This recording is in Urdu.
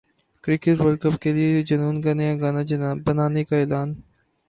کرکٹ ورلڈ کپ کے لیے جنون کا نیا گانا بنانے کا اعلان